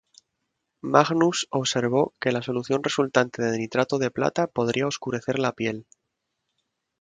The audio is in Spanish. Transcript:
Magnus observó que la solución resultante de nitrato de plata podría oscurecer la piel.